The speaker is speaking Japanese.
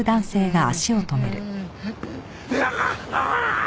ああ！